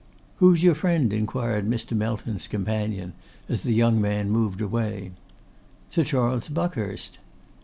'Who's your friend?' inquired Mr. Melton's companion, as the young man moved away. 'Sir Charles Buckhurst.